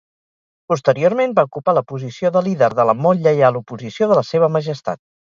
Posteriorment, va ocupar la posició de líder de la Molt Lleial Oposició de la Seva Majestat.